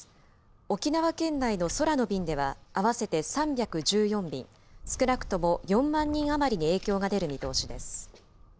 沖縄県内の空の便では、合わせて３１４便、少なくとも４万人余りに影響が出る見通しです。